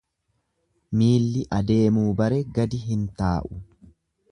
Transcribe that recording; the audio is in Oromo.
Miilli adeemuu bare gadi hin taa'u.